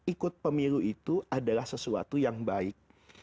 ikut pemilu itu adalah sesuatu yang baik